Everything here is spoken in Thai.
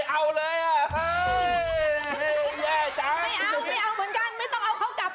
พักเดี๋ยวเลยครับ